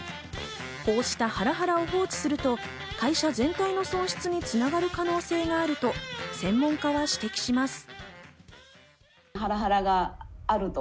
こうしたハラハラを放置すると、会社全体の損失に繋がる可能性があると専門家は指摘します。